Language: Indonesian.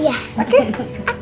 jadi aku mau ambil